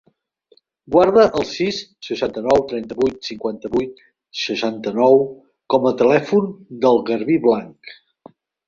Guarda el sis, seixanta-nou, trenta-vuit, cinquanta-vuit, seixanta-nou com a telèfon del Garbí Blanc.